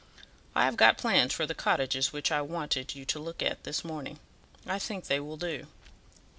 I have got plans for the cottages which I wanted you to look at this morning; I think they will do."